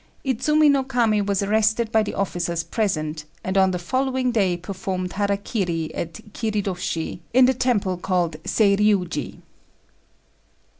Idzumi no Kami was arrested by the officers present, and on the following day performed hara kiri at Kiridôshi, in the temple called Seiriuji.